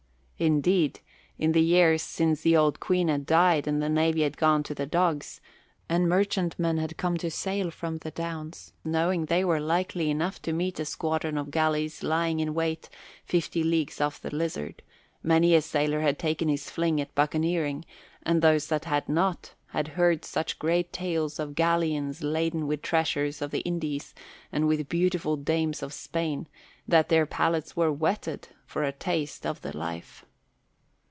Indeed, in the years since the old Queen had died, and the navy had gone to the dogs, and merchantmen had come to sail from the Downs knowing they were likely enough to meet a squadron of galleys lying in wait fifty leagues off the Lizard, many a sailor had taken his fling at buccaneering; and those that had not, had heard such great tales of galleons laden with treasures of the Indies and with beautiful dames of Spain that their palates were whetted for a taste of the life.